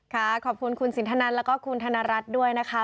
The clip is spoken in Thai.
ขอบคุณคุณสินทนันแล้วก็คุณธนรัฐด้วยนะคะ